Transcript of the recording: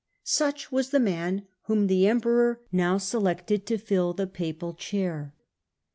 Such was the man whom the emperor now selected to fill the papal chair.